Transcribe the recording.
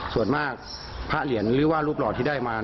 ส่วนมากพระเหรียญหรือว่ารูปหล่อที่ได้มา